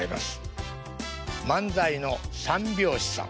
漫才の三拍子さん。